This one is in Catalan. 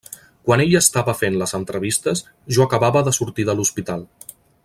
Quan ell estava fent les entrevistes, jo acabava de sortir de l'hospital.